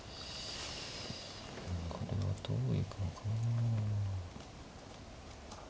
これはどう行くのかなあ。